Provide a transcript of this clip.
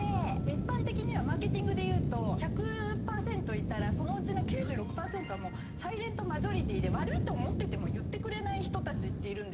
一般的にはマーケティングでいうと１００％いたらそのうちの９６％はもうサイレントマジョリティーで悪いと思ってても言ってくれない人たちっているんですよ。